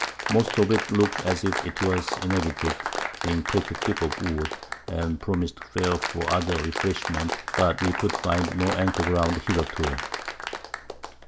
Most of it look'd as if it was inhabited, being pretty thick of Wood, and promised fair for other Refreshments, but we could find no Anchor ground hitherto.